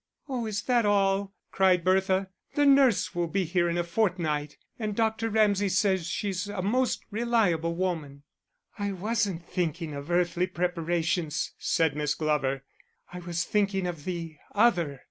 "Oh, is that all?" cried Bertha. "The nurse will be here in a fortnight, and Dr. Ramsay says she's a most reliable woman." "I wasn't thinking of earthly preparations," said Miss Glover. "I was thinking of the other.